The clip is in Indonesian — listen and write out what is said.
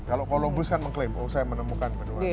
kalau columbus kan mengklaim oh saya menemukan benua amerika